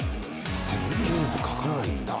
設計図書かないんだ。